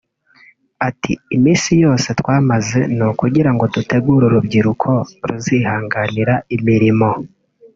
Ati”Iyi minsi yose twamaze ni ukugira ngo dutegure urubyiruko ruzihangira imirimo